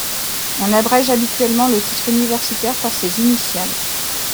On abrège habituellement le titre universitaire par ses initiales.